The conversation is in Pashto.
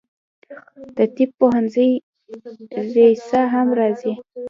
د طب پوهنځي رییسه هم راځي.